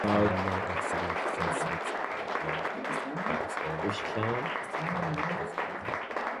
A number of significant cities lie on the banks of the Tallapoosa River.